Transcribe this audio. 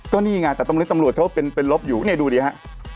ก็นี่ไงแต่ตรงนี้ตำรวจเขาเป็นลบอยู่เนี่ยดูดิฮะ